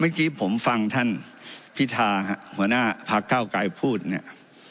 เมื่อกี้ผมฟังท่านพิธาหัวหน้าพักเก้าไกรพูดเนี่ย